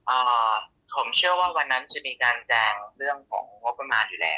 เอ่อผมเชื่อว่าวันนั้นจะมีการแจงเรื่องของงบประมาณอยู่แล้ว